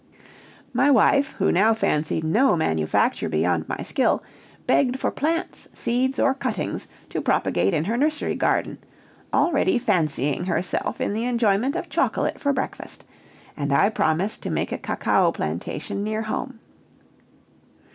My wife, who now fancied no manufacture beyond my skill, begged for plants, seeds, or cuttings to propagate in her nursery garden, already fancying herself in the enjoyment of chocolate for breakfast, and I promised to make a cacao plantation near home.